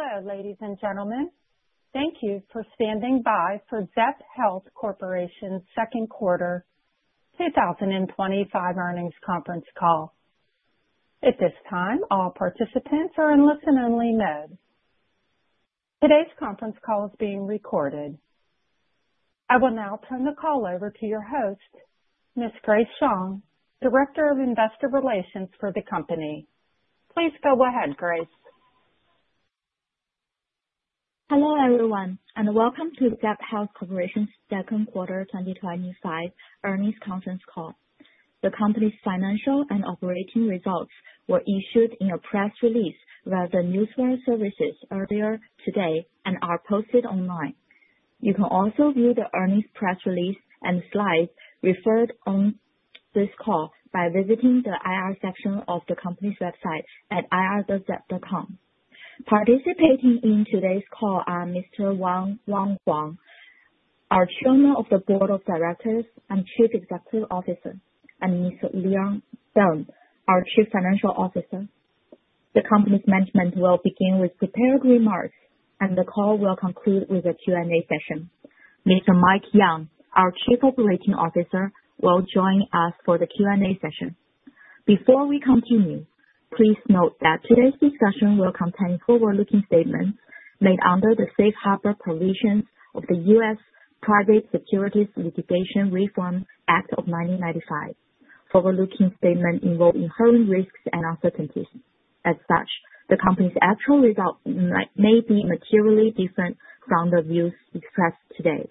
Hello, ladies and gentlemen. Thank you for standing by for Zepp Health Corporation's Second Quarter 2025 Earnings Conference Call. At this time, all participants are in listen-only mode. Today's conference call is being recorded. I will now turn the call over to your host, Ms. Grace Zhang, Director of Investor Relations for the company. Please go ahead, Grace. Hello, everyone, and welcome to Zepp Health Corporation's Second Quarter 2025 Earnings Conference Call. The company's financial and operating results were issued in a press release via the newswire services earlier today and are posted online. You can also view the earnings press release and slides referred to on this call by visiting the IR section of the company's website at ir.zepp.com. Participating in today's call are Mr. Wang Huang, our Chairman of the Board of Directors and Chief Executive Officer, and Mr. Leon Deng, our Chief Financial Officer. The company's management will begin with prepared remarks, and the call will conclude with a Q&A session. Mr. Mike Yeung, our Chief Operating Officer, will join us for the Q&A session. Before we continue, please note that today's discussion will contain forward-looking statements made under the safe harbor provisions of the U.S. Private Securities Litigation Reform Act of 1995. Forward-looking statements involve inherent risks and uncertainties. As such, the company's actual results may be materially different from the views expressed today.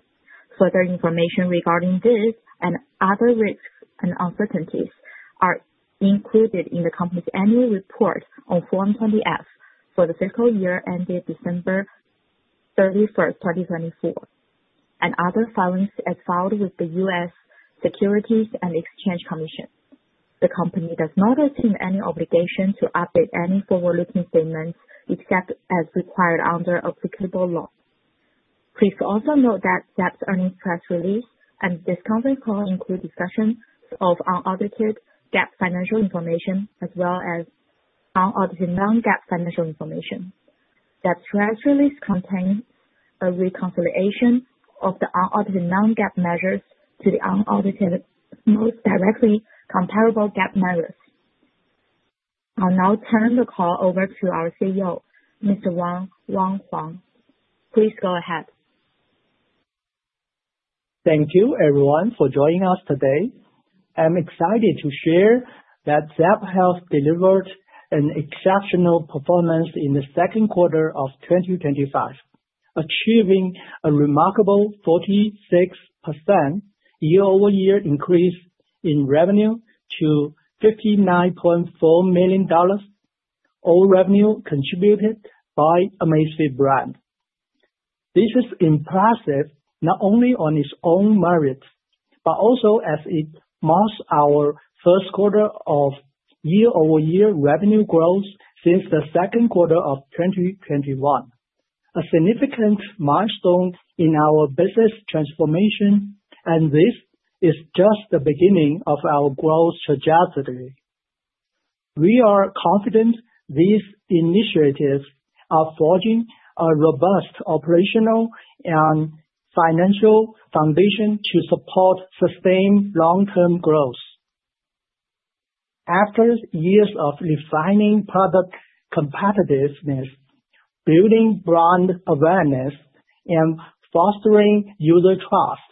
Further information regarding this and other risks and uncertainties is included in the company's annual report on Form 20-F for the fiscal year ending December 31, 2024, and other filings as filed with the U.S. Securities and Exchange Commission. The company does not assume any obligation to update any forward-looking statements except as required under applicable law. Please also note that Zepp's earnings press release and this conference call include discussions of unaudited GAAP financial information as well as unaudited non-GAAP financial information. That press release contains a reconciliation of the unaudited non-GAAP measures to the unaudited most directly comparable GAAP measures. I'll now turn the call over to our CEO, Mr. Wang Huang. Please go ahead. Thank you, everyone, for joining us today. I'm excited to share that Zepp Health delivered an exceptional performance in the second quarter of 2025, achieving a remarkable 46% year-over-year increase in revenue to $59.4 million, all revenue contributed by Amazfit brand. This is impressive not only on its own merits, but also as it marks our first quarter of year-over-year revenue growth since the second quarter of 2021. A significant milestone in our business transformation, and this is just the beginning of our growth trajectory. We are confident these initiatives are forging a robust operational and financial foundation to support sustained long-term growth. After years of refining product competitiveness, building brand awareness, and fostering user trust,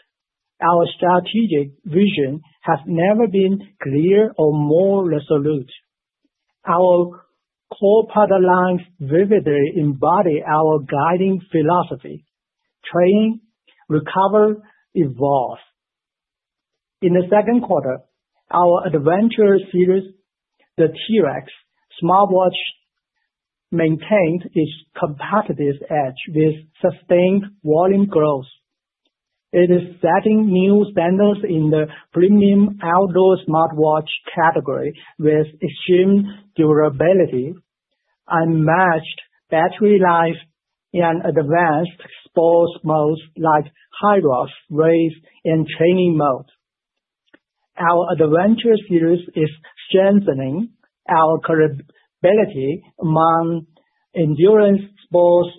our strategic vision has never been clearer or more resolute. Our core product lines vividly embody our guiding philosophy: train, recover, evolve. In the second quarter, our adventure series, the T-Rex smartwatch, maintained its competitive edge with sustained volume growth. It is setting new standards in the premium outdoor smartwatch category with extreme durability, unmatched battery life, and advanced sports modes like HYROX race and training mode. Our adventure series is strengthening our credibility among endurance sports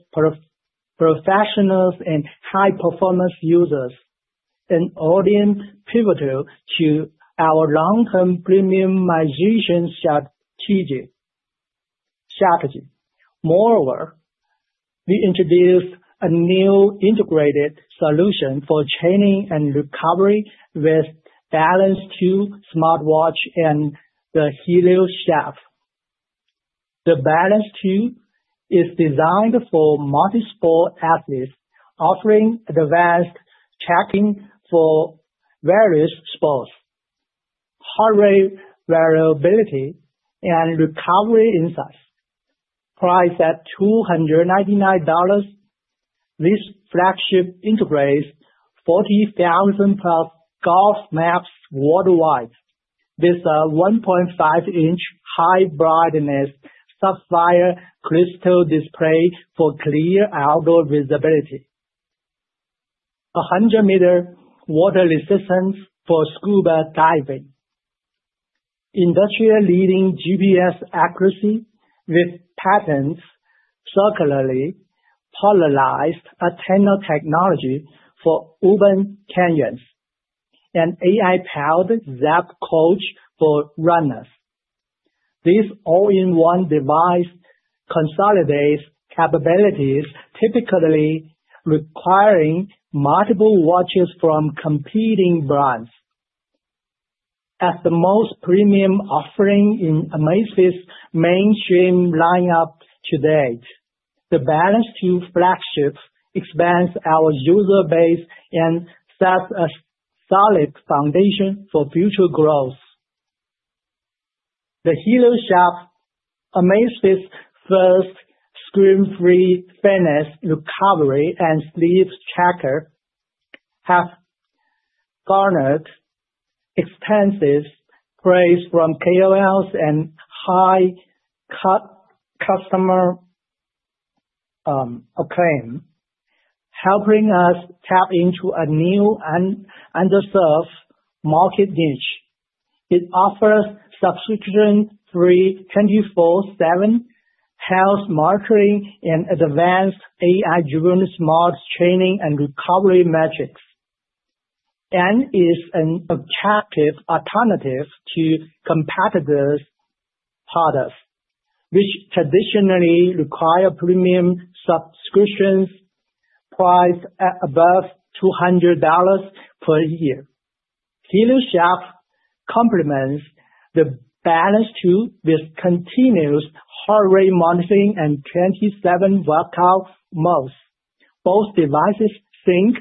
professionals and high-performance users, an audience pivotal to our long-term premiumization strategy. Moreover, we introduced a new integrated solution for training and recovery with the Balance 2 smartwatch and the Helio Strap. The Balance 2 is designed for multi-sport athletes, offering advanced tracking for various sports, heart rate variability, and recovery insights. Priced at $299, this flagship integrates 40,000-plus golf maps worldwide. This 1.5-inch high-brightness subdial crystal display for clear outdoor visibility. A 100-meter water resistance for scuba diving. Industry-leading GPS accuracy with patented circularly polarized antenna technology for urban canyons. An AI-powered Zepp Coach for runners. This all-in-one device consolidates capabilities typically requiring multiple watches from competing brands. As the most premium offering in Amazfit's mainstream lineup to date, the Balance 2 flagship expands our user base and sets a solid foundation for future growth. The Helio Strap, Amazfit's first screen-free fitness recovery and sleep tracker, has garnered extensive praise from KOLs and high-customer acclaim, helping us tap into a new and underserved market niche. It offers subscription-free 24/7 health monitoring and advanced AI-driven smart training and recovery metrics, and is an attractive alternative to competitors' products, which traditionally require premium subscriptions priced at above $200 per year. Helio Strap complements the Balance 2 with continuous heart rate monitoring and 27 workout modes. Both devices sync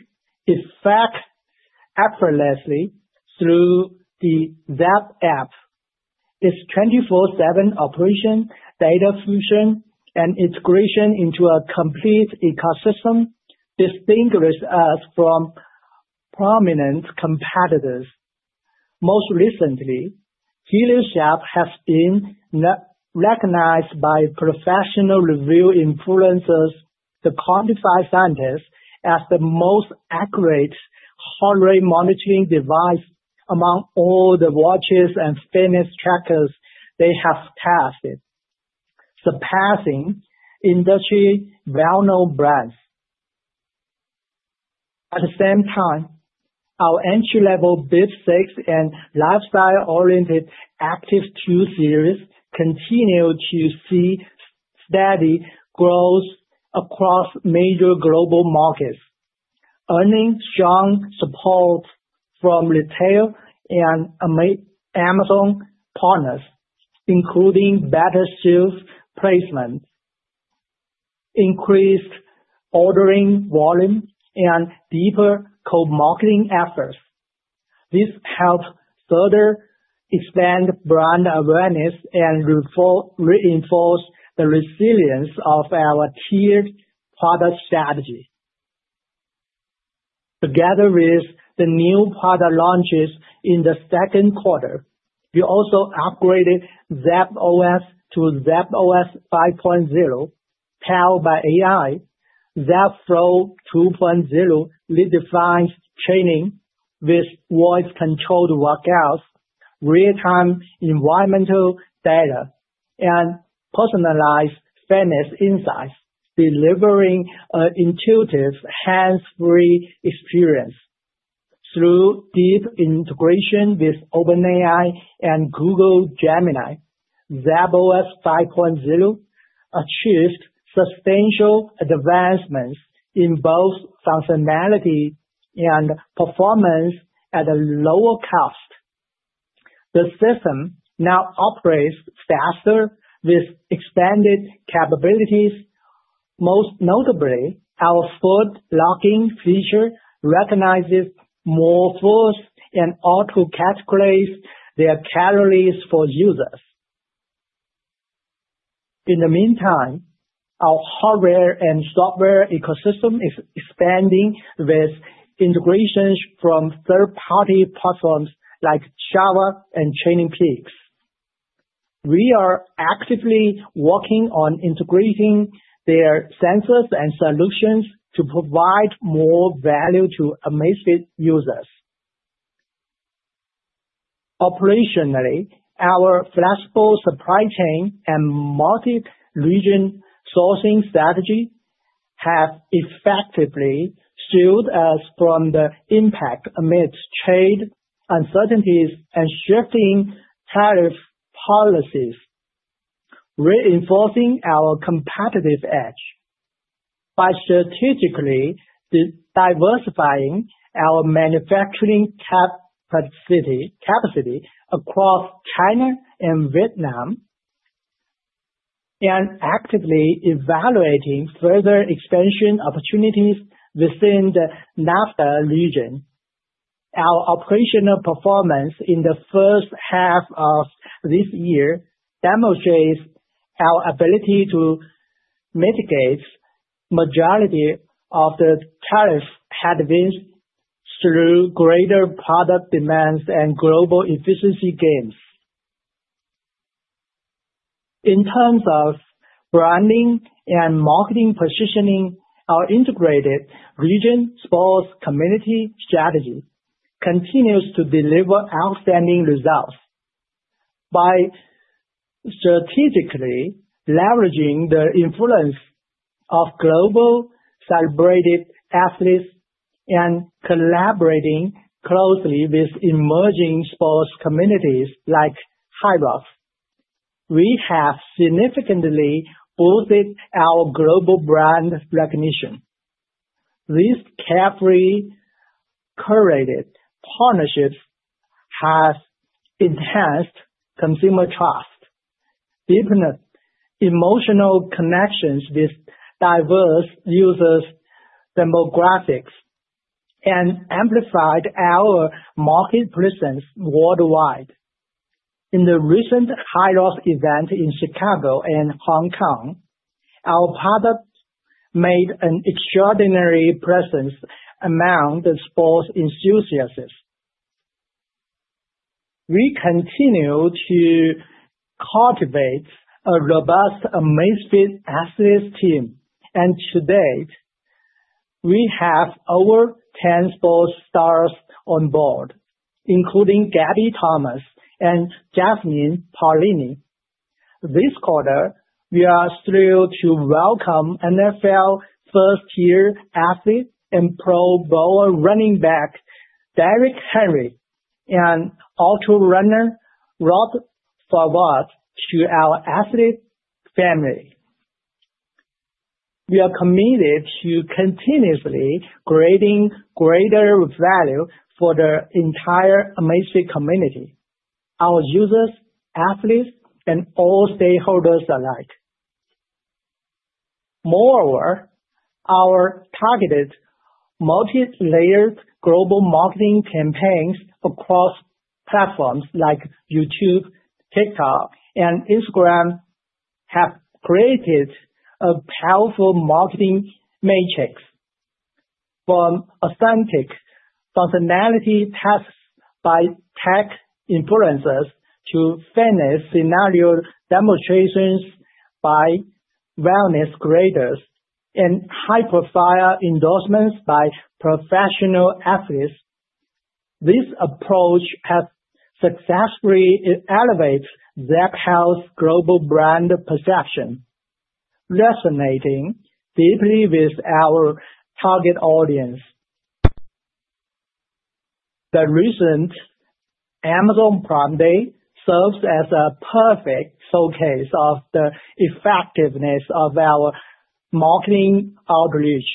effortlessly through the Zepp app. Its 24/7 operation, data fusion, and integration into a complete ecosystem distinguish us from prominent competitors. Most recently, Helio Strap has been recognized by professional review influencers, the Quantified Scientist, as the most accurate heart rate monitoring device among all the watches and fitness trackers they have tested, surpassing industry well-known brands. At the same time, our entry-level Bip 6 and lifestyle-oriented Active 2 series continue to see steady growth across major global markets, earning strong support from retail and Amazon partners, including better sales placement, increased ordering volume, and deeper co-marketing efforts. This helps further expand brand awareness and reinforces the resilience of our tiered product strategy. Together with the new product launches in the second quarter, we also upgraded Zepp OS to Zepp OS 5.0, powered by AI. Zepp Flow 2.0 redefines training with voice-controlled workouts, real-time environmental data, and personalized fitness insights, delivering an intuitive, hands-free experience. Through deep integration with OpenAI and Google Gemini, Zepp OS 5.0 achieves substantial advancements in both functionality and performance at a lower cost. The system now operates faster with expanded capabilities. Most notably, our foot-locking feature recognizes more foots and auto-catch plays their calories for users. In the meantime, our hardware and software ecosystem is expanding with integrations from third-party platforms like Strava and TrainingPeaks. We are actively working on integrating their sensors and solutions to provide more value to Amazfit users. Operationally, our flexible supply chain and multi-region sourcing strategy has effectively shielded us from the impact amidst trade uncertainties and shifting tariff policies, reinforcing our competitive edge. By strategically diversifying our manufacturing capacity across China and Vietnam and actively evaluating further expansion opportunities within the NAFTA region, our operational performance in the first half of this year demonstrates our ability to mitigate the majority of the tariff headwinds through greater product demands and global efficiency gains. In terms of branding and marketing positioning, our integrated region sports community strategy continues to deliver outstanding results by strategically leveraging the influence of globally celebrated athletes and collaborating closely with emerging sports communities like HYROX. We have significantly boosted our global brand recognition. These carefully curated partnerships have enhanced consumer trust, deepened emotional connections with diverse users' demographics, and amplified our market presence worldwide. In the recent HYROX event in Chicago and Hong Kong, our product made an extraordinary presence among the sports enthusiasts. We continue to cultivate a robust Amazfit athletes team, and to date, we have over 10 sports stars on board, including Gabby Thomas and Jasmine Paolini. This quarter, we are thrilled to welcome NFL first-tier athlete and Pro Bowler running back Derrick Henry and Ultra Runner, Rod Farvard to our athlete family. We are committed to continuously creating greater value for the entire Amazfit community, our users, athletes, and all stakeholders alike. Moreover, our targeted multi-layered global marketing campaigns across platforms like YouTube, TikTok, and Instagram have created a powerful marketing matrix. From authentic functionality tests by tech influencers to fitness scenario demonstrations by wellness creators and high-profile endorsements by professional athletes, this approach has successfully elevated Zepp Health's global brand perception, resonating deeply with our target audience. The recent Amazon Prime Day serves as a perfect showcase of the effectiveness of our marketing outreach.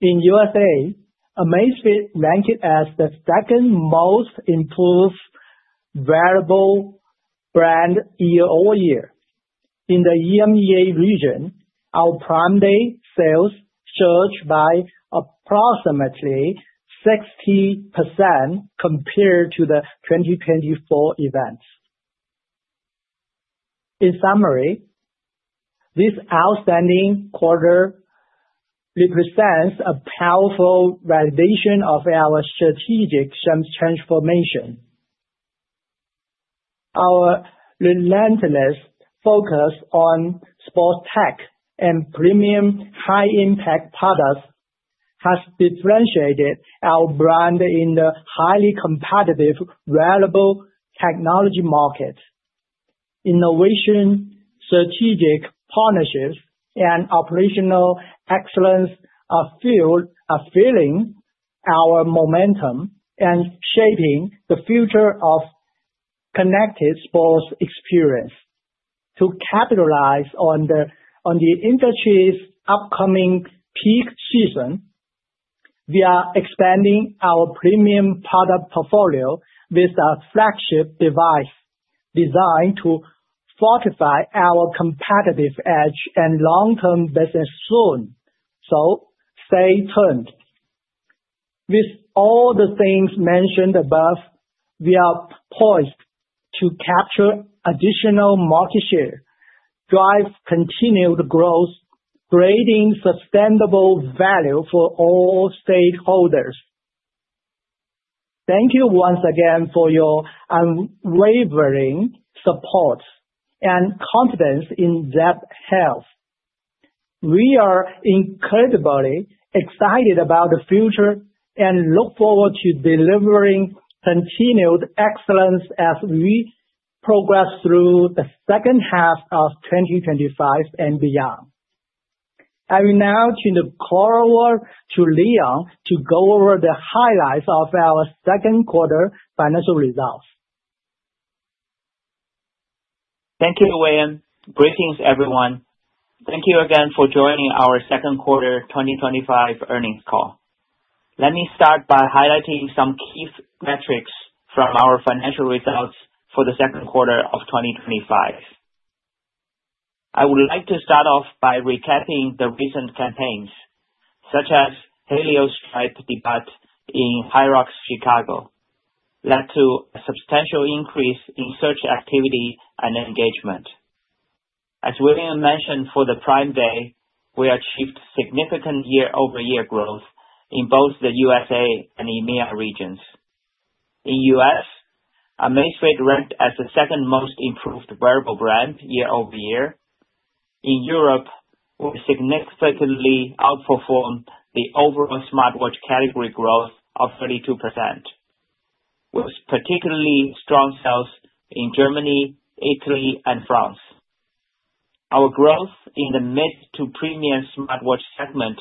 In U.S.A., Amazfit ranked as the second most improved wearable brand year-over-year. In the EMEA region, our Prime Day sales surged by approximately 60% compared to the 2024 event. In summary, this outstanding quarter represents a powerful validation of our strategic transformation. Our relentless focus on sports tech and premium high-end tech products has differentiated our brand in the highly competitive wearable technology market. Innovation, strategic partnerships, and operational excellence are fueling our momentum and shaping the future of connected sports experience. To capitalize on the industry's upcoming peak season, we are expanding our premium product portfolio with a flagship device designed to fortify our competitive edge and long-term business soon. Stay tuned. With all the things mentioned above, we are poised to capture additional market share, drive continued growth, creating sustainable value for all stakeholders. Thank you once again for your unwavering support and confidence in Zepp Health. We are incredibly excited about the future and look forward to delivering continued excellence as we progress through the second half of 2025 and beyond. I will now turn the floor over to Leon to go over the highlights of our second quarter financial results. Thank you, Wang. Greetings, everyone. Thank you again for joining our second quarter 2025 earnings call. Let me start by highlighting some key metrics from our financial results for the second quarter of 2025. I would like to start off by recapping the recent campaigns, such as the Helio Strap debut in HYROX Chicago, which led to a substantial increase in search activity and engagement. As Wang mentioned for Prime Day, we achieved significant year-over-year growth in both the U.S.A. and EMEA regions. In the U.S., Amazfit ranked as the second most improved wearable brand year-over-year. In Europe, we significantly outperformed the overall smartwatch category growth of 32%, with particularly strong sales in Germany, Italy, and France. Our growth in the mid-to-premium smartwatch segment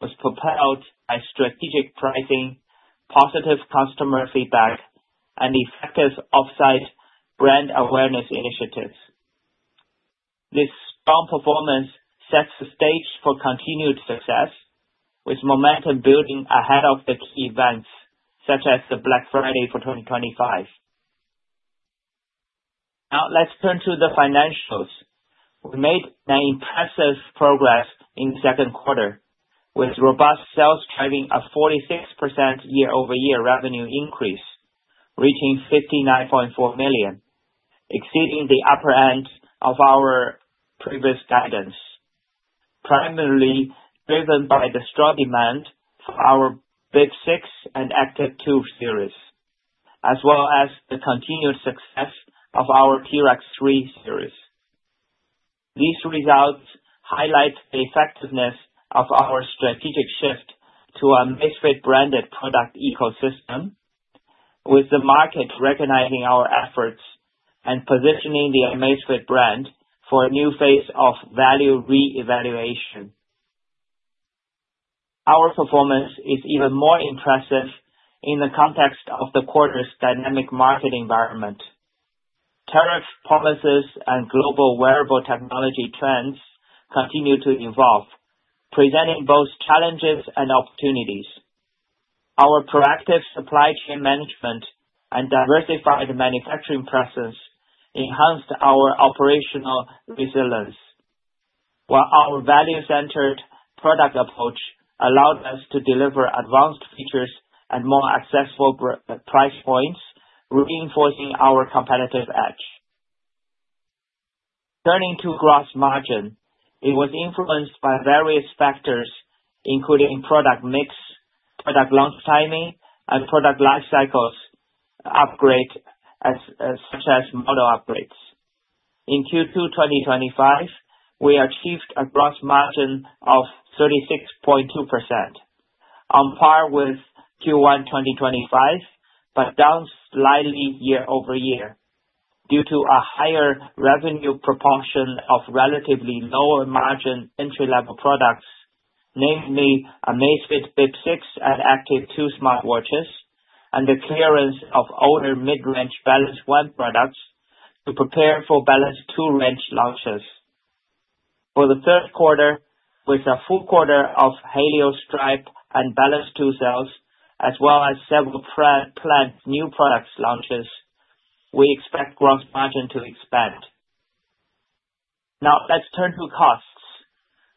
was propelled by strategic pricing, positive customer feedback, and effective offsite brand awareness initiatives. This strong performance sets the stage for continued success, with momentum building ahead of key events, such as Black Friday for 2025. Now let's turn to the financials. We made impressive progress in the second quarter, with robust sales driving a 46% year-over-year revenue increase, reaching $59.4 million, exceeding the upper end of our previous guidance, primarily driven by the strong demand for our Bip 6 and Active 2 series, as well as the continued success of our T-Rex 3 series. These results highlight the effectiveness of our strategic shift to our Amazfit-branded product ecosystem, with the market recognizing our efforts and positioning the Amazfit brand for a new phase of value reevaluation. Our performance is even more impressive in the context of the quarter's dynamic market environment. Tariff policies and global wearable technology trends continue to evolve, presenting both challenges and opportunities. Our proactive supply chain management and diversified manufacturing process enhanced our operational resilience, while our value-centered product approach allowed us to deliver advanced features at more accessible price points, reinforcing our competitive edge. Turning to gross margin, it was influenced by various factors, including product mix, product launch timing, and product life cycle upgrades, such as model upgrades. In Q2 2025, we achieved a gross margin of 36.2%, on par with Q1 2025, but down slightly year-over-year due to a higher revenue proportion of relatively lower margin entry-level products, namely Amazfit Bip 6 and Active 2 smartwatches, and the clearance of older mid-range Balance 1 products to prepare for Balance 2 range launches. For the third quarter, with a full quarter of Helio Strap and Balance 2 sales, as well as several planned new product launches, we expect gross margin to expand. Now let's turn to costs.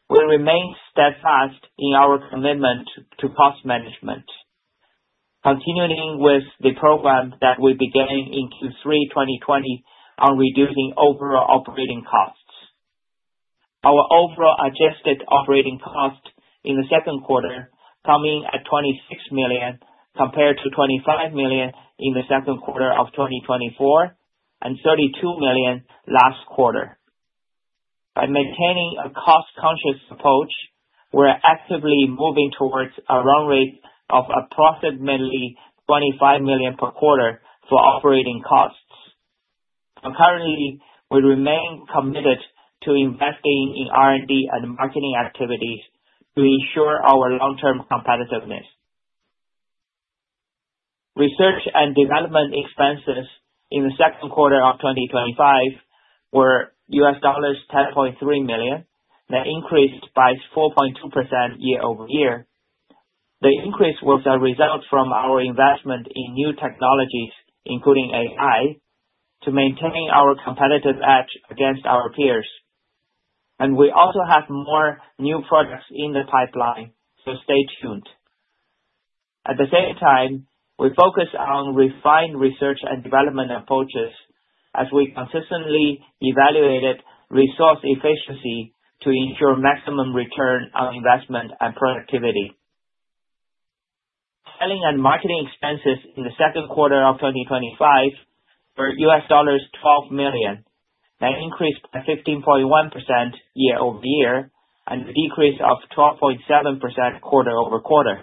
We remain steadfast in our commitment to cost management, continuing with the program that we began in Q3 2020 on reducing overall operating costs. Our overall adjusted operating cost in the second quarter comes in at $26 million, compared to $25 million in the second quarter of 2024 and $32 million last quarter. By maintaining a cost-conscious approach, we're actively moving towards a run rate of approximately $25 million per quarter for operating costs. Currently, we remain committed to investing in R&D and marketing activities to ensure our long-term competitiveness. Research and development expenses in the second quarter of 2025 were $10.3 million, and they increased by 4.2% year-over-year. The increase was a result from our investment in new technologies, including AI, to maintain our competitive edge against our peers. We also have more new products in the pipeline, so stay tuned. At the same time, we focus on refined research and development approaches as we consistently evaluate resource efficiency to ensure maximum return on investment and productivity. Selling and marketing expenses in the second quarter of 2025 were $12 million. They increased by 15.1% year-over-year and decreased by 12.7% quarter-over-quarter.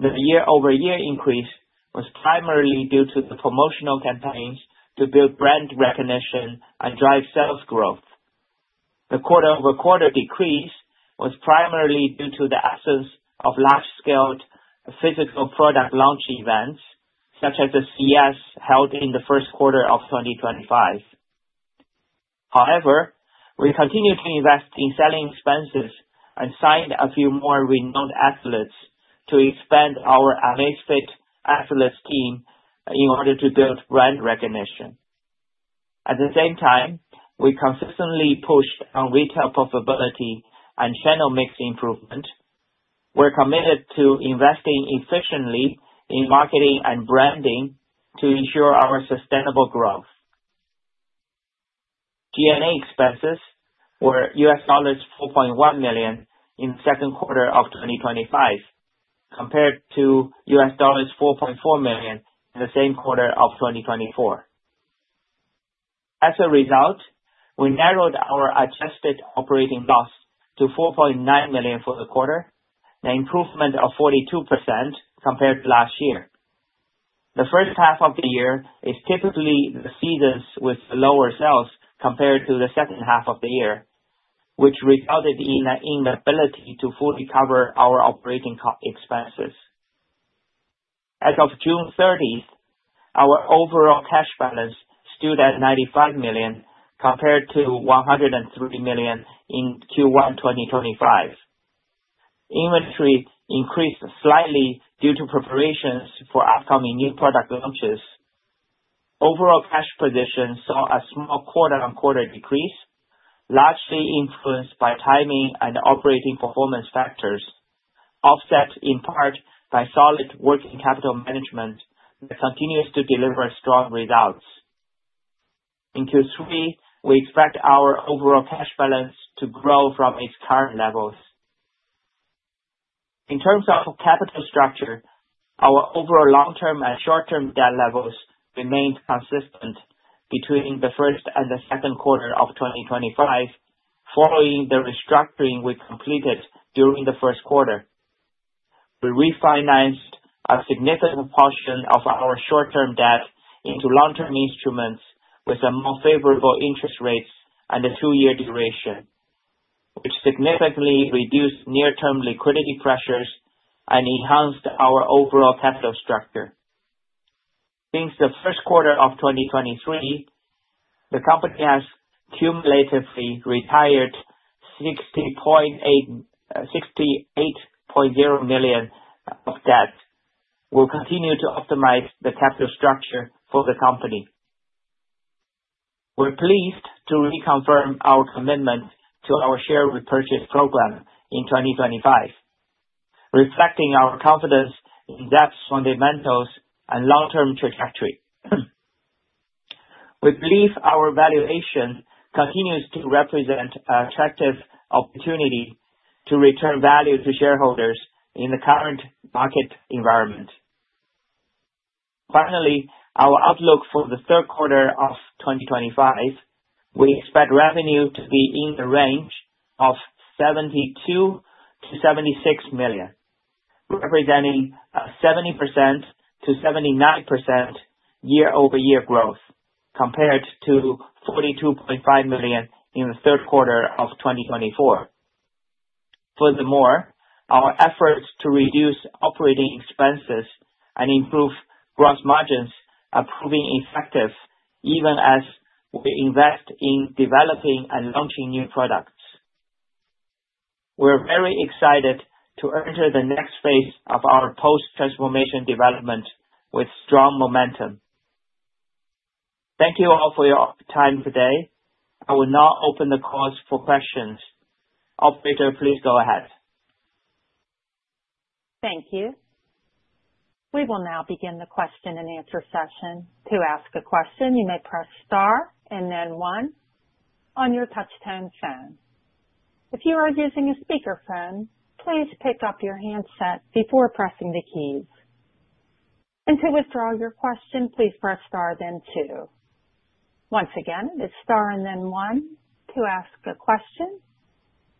The year-over-year increase was primarily due to the promotional campaigns to build brand recognition and drive sales growth. The quarter-over-quarter decrease was primarily due to the absence of large-scale physical product launch events, such as the CES held in the first quarter of 2025. However, we continue to invest in selling expenses and signed a few more renowned athletes to expand our Amazfit athletes team in order to build brand recognition. At the same time, we consistently pushed on retail profitability and channel mix improvement. We're committed to investing efficiently in marketing and branding to ensure our sustainable growth. G&A expenses were $4.1 million in the second quarter of 2025, compared to $4.4 million in the same quarter of 2024. As a result, we narrowed our adjusted operating loss to $4.9 million for the quarter, an improvement of 42% compared to last year. The first half of the year is typically the season with lower sales compared to the second half of the year, which resulted in an inability to fully cover our operating cost expenses. As of June 30, our overall cash balance stood at $95 million compared to $103 million in Q1 2025. Inventories increased slightly due to preparations for upcoming new product launches. Overall cash position saw a small quarter-on-quarter decrease, largely influenced by timing and operating performance factors, offset in part by solid working capital management that continues to deliver strong results. In Q3, we expect our overall cash balance to grow from its current levels. In terms of capital structure, our overall long-term and short-term debt levels remained consistent between the first and the second quarter of 2025, following the restructuring we completed during the first quarter. We refinanced a significant portion of our short-term debt into long-term instruments with a more favorable interest rate and a two-year duration, which significantly reduced near-term liquidity pressures and enhanced our overall capital structure. Since the first quarter of 2023, the company has accumulated a retired $68.0 million of debt. We'll continue to optimize the capital structure for the company. We're pleased to reconfirm our commitment to our share repurchase program in 2025, reflecting our confidence in Zepp's fundamentals and long-term trajectory. We believe our valuation continues to represent an attractive opportunity to return value to shareholders in the current market environment. Finally, our outlook for the third quarter of 2025, we expect revenue to be in the range of $72- $76 million, representing a 70%-79% year-over-year growth compared to $42.5 million in the third quarter of 2024. Furthermore, our efforts to reduce operating expenses and improve gross margins are proving effective even as we invest in developing and launching new products. We're very excited to enter the next phase of our post-transformation development with strong momentum. Thank you all for your time today. I will now open the calls for questions. Operator, please go ahead. Thank you. We will now begin the question and answer session. To ask a question, you may press star and then one on your touch-tone phone. If you are using a speaker phone, please pick up your handset before pressing the keys. To withdraw your question, please press star then two. Once again, it is star and then one to ask a question.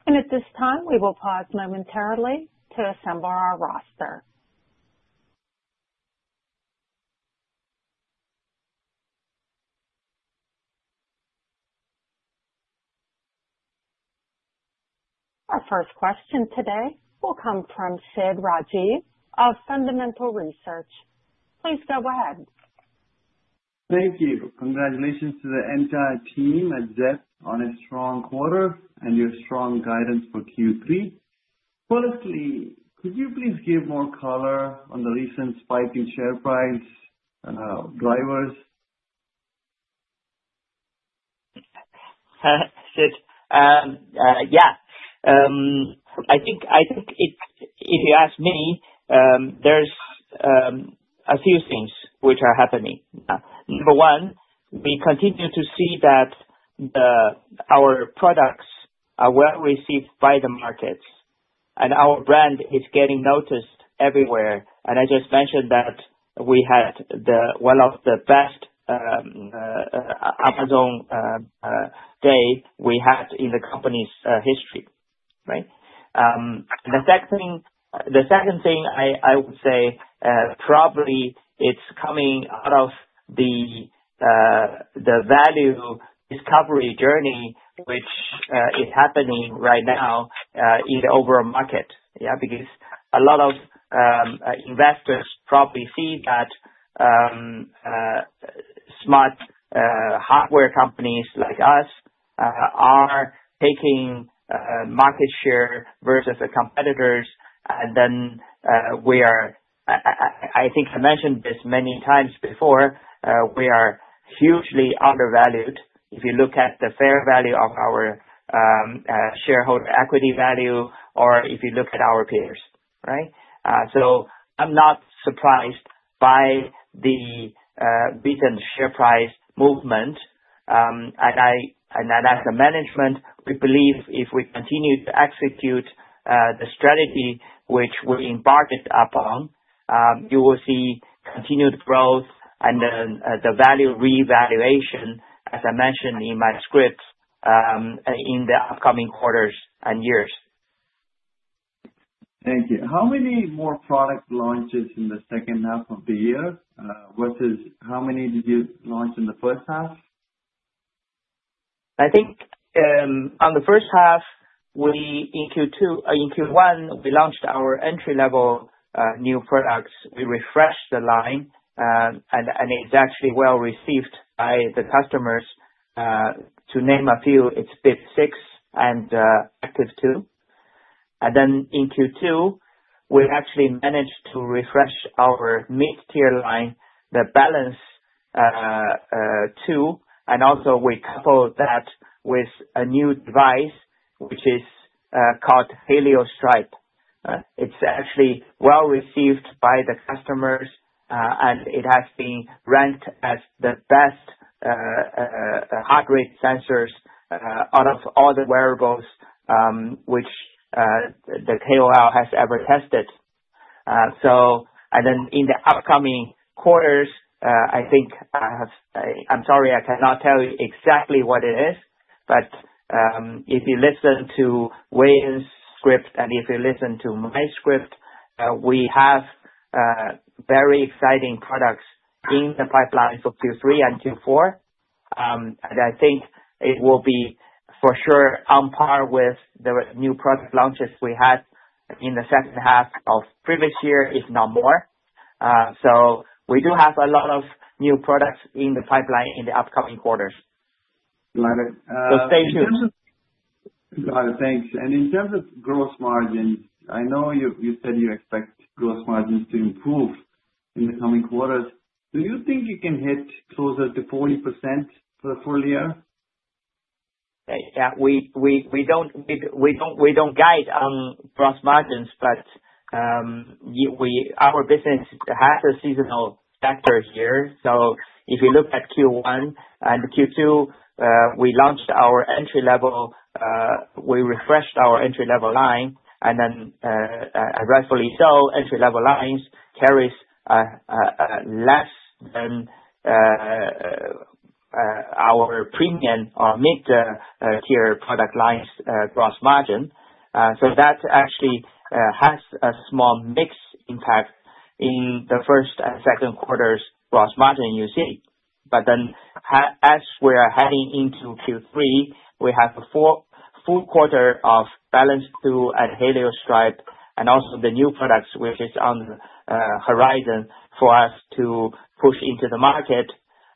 At this time, we will pause momentarily to assemble our roster. Our first question today will come from Sid Rajeev of Fundamental Research. Please go ahead. Thank you. Congratulations to the entire team at Zepp on a strong quarter and your strong guidance for Q3. Firstly, could you please give more color on the recent spike in share price and drivers? Sid, yeah. I think it's, if you ask me, there's a few things which are happening. Number one, we continue to see that our products are well received by the markets, and our brand is getting noticed everywhere. I just mentioned that we had one of the best Amazon days we had in the company's history, right? The second thing I would say, probably it's coming out of the value discovery journey, which is happening right now in the overall market, yeah, because a lot of investors probably see that smart hardware companies like us are taking market share versus competitors. I think I mentioned this many times before, we are hugely undervalued if you look at the fair value of our shareholder equity value or if you look at our peers, right? I'm not surprised by the recent share price movement. As a management, we believe if we continue to execute the strategy which we embarked upon, you will see continued growth and then the value reevaluation, as I mentioned in my script, in the upcoming quarters and years. Thank you. How many more product launches in the second half of the year versus how many did you launch in the first half? I think on the first half, we in Q1, we launched our entry-level new products. We refreshed the line, and it's actually well received by the customers. To name a few, it's Bip 6 and Active 2. In Q2, we actually managed to refresh our mid-tier line, the Balance 2, and also we coupled that with a new device, which is called Helio Strap. It's actually well received by the customers, and it has been ranked as the best heart rate sensors out of all the wearables which the KOL has ever tested. In the upcoming quarters, I think I'm sorry, I cannot tell you exactly what it is, but if you listen to Wayne's script and if you listen to my script, we have very exciting products in the pipeline for Q3 and Q4. I think it will be for sure on par with the new product launches we had in the second half of the previous year, if not more. We do have a lot of new products in the pipeline in the upcoming quarters. Got it So stay tuned. Got it. Thanks. In terms of gross margins, I know you said you expect gross margins to improve in the coming quarters. Do you think you can hit closer to 40% for the full year? Yeah, we don't guide on gross margins, but our business has a seasonal factor here. If you look at Q1 and Q2, we launched our entry-level, we refreshed our entry-level line, and then rightfully so, entry-level lines carry less than our premium or mid-tier product lines' gross margin. That actually has a small mix impact in the first and second quarters' gross margin you see. As we're heading into Q3, we have a full quarter of Balance 2 and Helio Strap and also the new products, which is on the horizon for us to push into the market.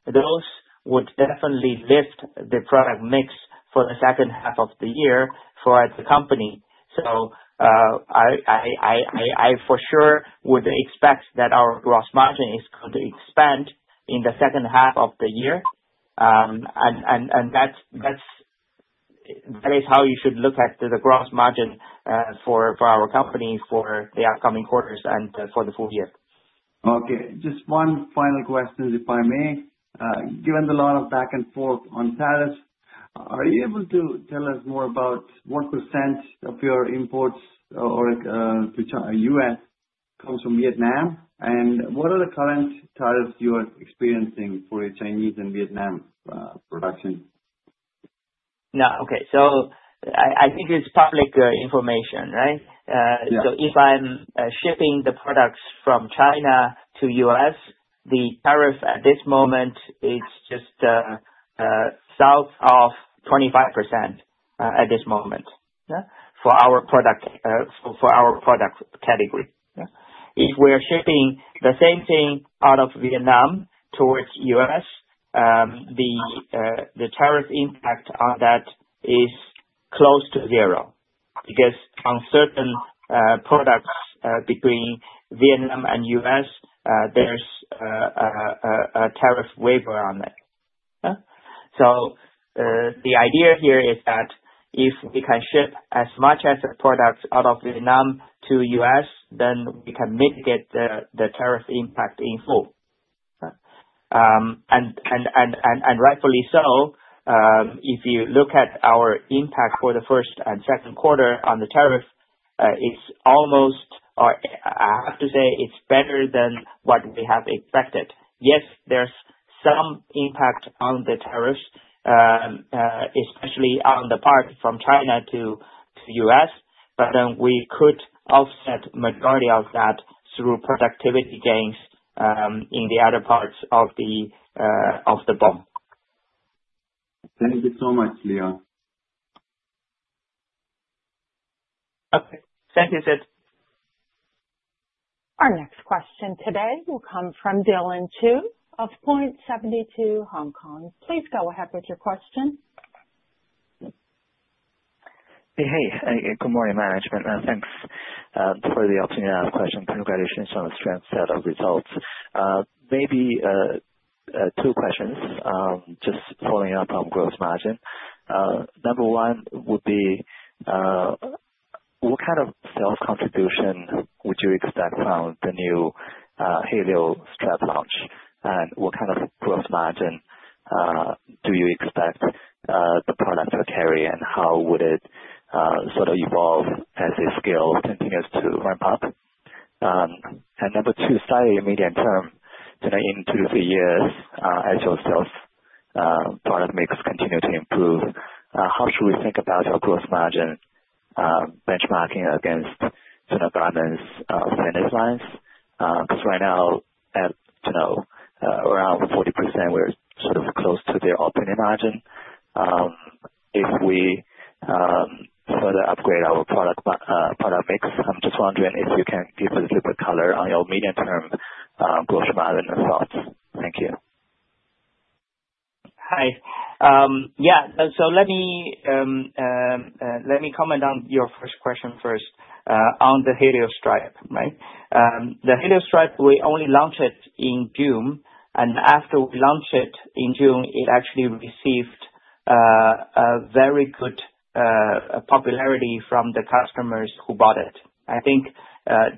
Those would definitely lift the product mix for the second half of the year for the company. I for sure would expect that our gross margin could expand in the second half of the year. That is how you should look at the gross margin for our company for the upcoming quarters and for the full year. Okay. Just one final question, if I may. Given a lot of back and forth on tariffs, are you able to tell us more about what percent of your imports to the U.S. comes from Vietnam? What are the current tariffs you are experiencing for your Chinese and Vietnam production? No. Okay. I think it's public information, right? If I'm shipping the products from China to the U.S., the tariff at this moment is just south of 25% at this moment, yeah, for our product category. If we're shipping the same thing out of Vietnam towards the U.S., the tariff impact on that is close to zero because on certain products between Vietnam and the U.S., there's a tariff waiver on it. The idea here is that if we can ship as much as a product out of Vietnam to the U.S., then we can mitigate the tariff impact in full. Rightfully so, if you look at our impact for the first and second quarter on the tariffs, it's almost, or I have to say, it's better than what we have expected. Yes, there's some impact on the tariffs, especially on the part from China to the U.S., but then we could offset the majority of that through productivity gains in the other parts of the bump. Thank you so much, Leon. Okay. Thank you, Sid. Our next question today will come from Dylan Chu of Point72, Hong Kong. Please go ahead with your question. Hey, good morning, management. Thanks for the opportunity to ask questions. Congratulations on the strength set of results. Maybe two questions, just following up on gross margin. Number one would be, what kind of sales contribution would you expect from the new Helio Strap launch? What kind of gross margin do you expect the product to carry? How would it sort of evolve as it scales? Anything else to wrap up? Number two, say in the medium term, in two to three years, as your sales product makers continue to improve, how should we think about our gross margin benchmarking against the Garmin's fitness lines? Because right now, at around 40%, we're sort of close to their opening margin. If we further upgrade our product makers' time to fund you, if you can give us a bit of color on your medium-term gross margin of thought. Thank you. Hi. Yeah. Let me comment on your first question first on the Helio Strap, right? The Helio Strap, we only launched it in June. After we launched it in June, it actually received very good popularity from the customers who bought it. I think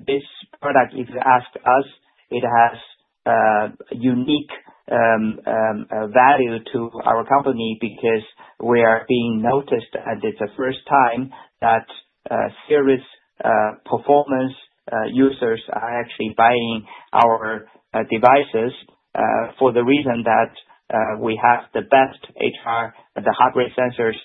this product, if you ask us, it has a unique value to our company because we are being noticed, and it's the first time that serious performance users are actually buying our devices for the reason that we have the best HR and the hardware sensors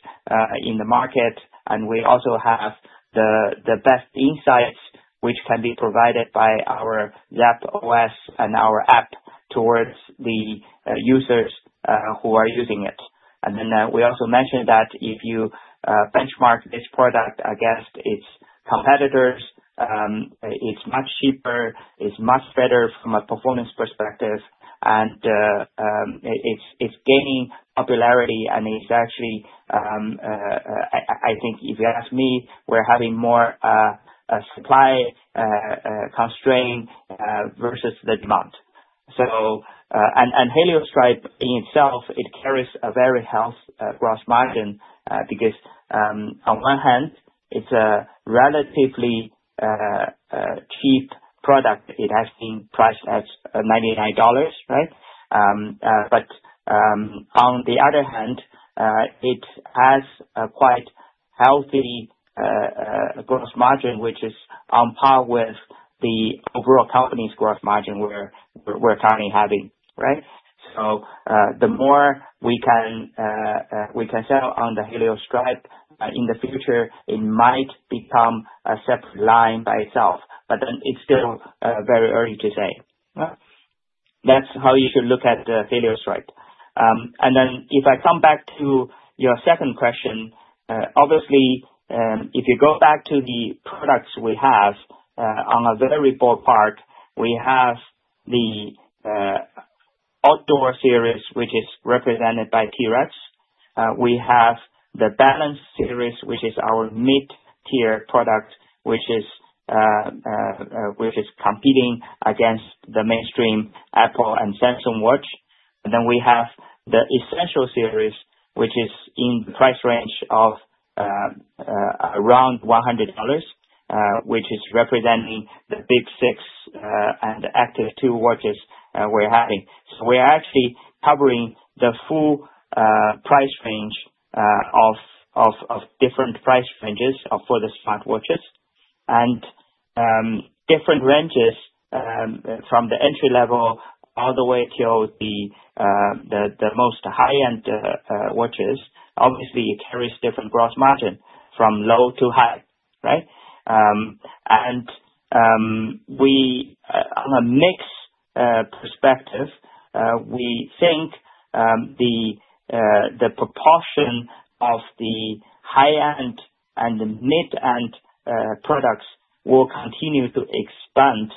in the market, and we also have the best insights which can be provided by our Zepp OS and our app towards the users who are using it. We also mentioned that if you benchmark this product against its competitors, it's much cheaper, it's much better from a performance perspective, and it's gaining popularity. I think if you ask me, we're having more supply constraint versus the demand. Helio Strap in itself, it carries a very healthy gross margin because on one hand, it's a relatively cheap product. It has been priced at $99, right? On the other hand, it has a quite healthy gross margin, which is on par with the overall company's gross margin we're currently having, right? The more we can sell on the Helio Strap in the future, it might become a separate line by itself. It's still very early to say. That's how you should look at the Helio Strap. If I come back to your second question, obviously, if you go back to the products we have, on a very ballpark, we have the outdoor series, which is represented by T-Rex. We have the Balance series, which is our mid-tier product, which is competing against the mainstream Apple and Samsung Watch. We have the Essential series, which is in the price range of around $100, which is representing the Bip 6 and Active 2 watches we're having. We're actually covering the full price range of different price ranges for the smartwatches and different ranges from the entry level all the way to the most high-end watches. Obviously, it carries different gross margin from low to high, right? On a mixed perspective, we think the proportion of the high-end and the mid-end products will continue to expand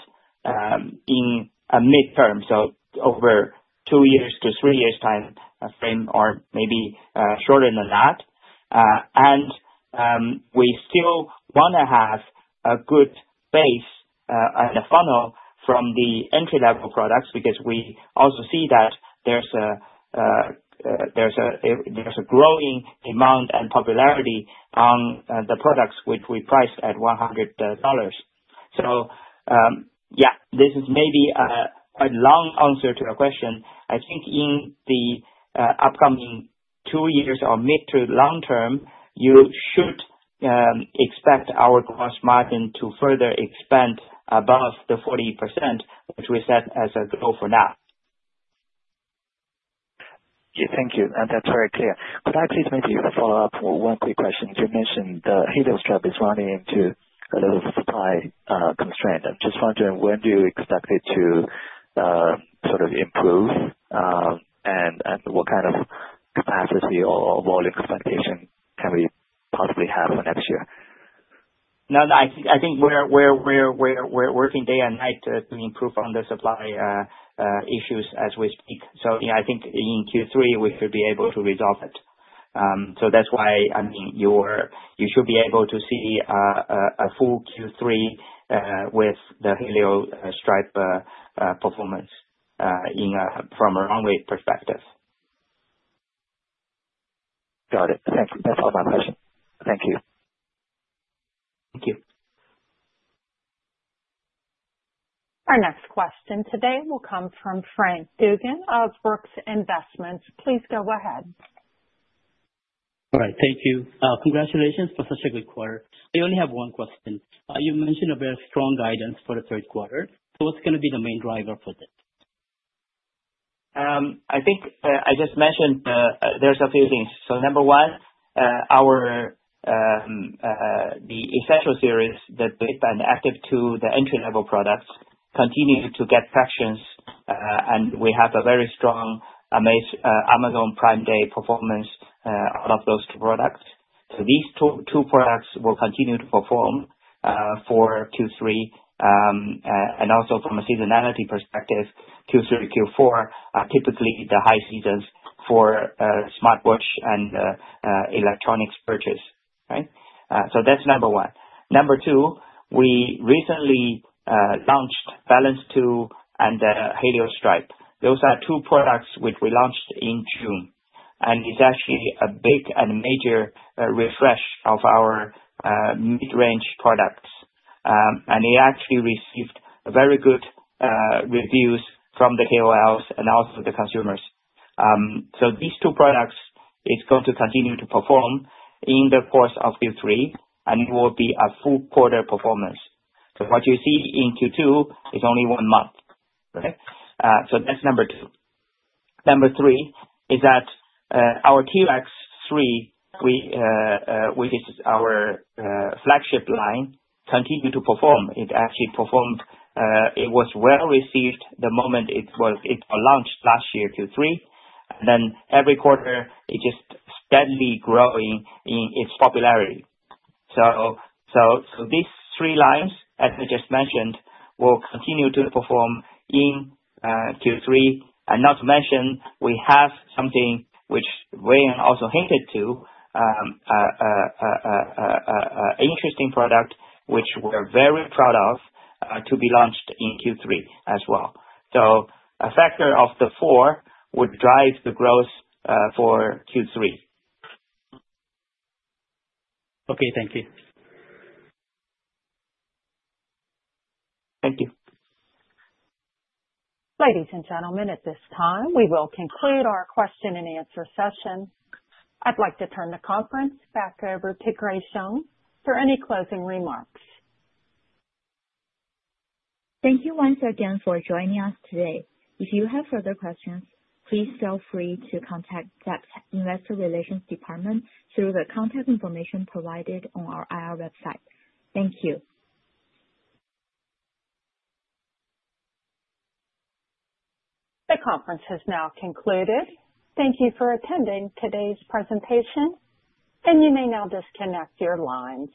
in a mid-term, over two years to three years' time frame or maybe shorter than that. We still want to have a good base and a funnel from the entry-level products because we also see that there's a growing demand and popularity on the products which we priced at $100. This is maybe a quite long answer to a question. I think in the upcoming two years or mid to long term, you should expect our gross margin to further expand above the 40%, which we set as a goal for now. Yeah, thank you. That's very clear. Could I please maybe follow up for one quick question? You mentioned the Helio Strap is running into a little supply constraint. I'm just wondering, when do you expect it to sort of improve? What kind of capacity or volume of fabrication can we possibly have over the next year? No, I think we're working day and night to improve on the supply issues as we speak. I think in Q3, we should be able to resolve it. That's why you should be able to see a full Q3 with the Helio Strap performance from a runway perspective. Got it. Thank you. That's all my question. Thank you. Thank you. Our next question today will come from Frank Dugan of Brooks Investments. Please go ahead. All right. Thank you. Congratulations for such a good quarter. I only have one question. You mentioned a very strong guidance for the third quarter. What is going to be the main driver for this? I think I just mentioned there's a few things. Number one, the Essential series, the Bip and Active 2, the entry-level products, continue to get traction, and we have a very strong Amazon Prime Day performance out of those two products. These two products will continue to perform for Q3. Also, from a seasonality perspective, Q3 and Q4 are typically the high seasons for smartwatch and electronics purchase, right? That's number one. Number two, we recently launched Balance 2 and the Helio Strap. Those are two products which we launched in June, and it's actually a big and major refresh of our mid-range products. It actually received very good reviews from the KOLs and also the consumers. These two products are going to continue to perform in the course of Q3, and it will be a full quarter performance. What you see in Q2 is only one month, right? That's number two. Number three is that our T-Rex 3, which is our flagship line, continued to perform. It actually performed, it was well received the moment it was launched last year, Q3, and then every quarter, it's just steadily growing in its popularity. These three lines, as we just mentioned, will continue to perform in Q3. Not to mention, we have something which Wang also hinted to, an interesting product which we're very proud of to be launched in Q3 as well. A factor of the four would drive the growth for Q3. Okay, thank you. Thank you. Ladies and gentlemen, at this time, we will conclude our question and answer session. I'd like to turn the conference back over to Grace Zhang for any closing remarks. Thank you once again for joining us today. If you have further questions, please feel free to contact Zepp's Investor Relations department through the contact information provided on our IR website. Thank you. The conference has now concluded. Thank you for attending today's presentation, and you may now disconnect your lines.